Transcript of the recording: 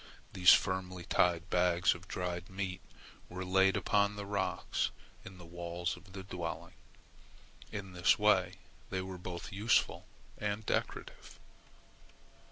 These firmly tied bags of dried meat were laid upon the rocks in the walls of the dwelling. In this way they were both useful and decorative.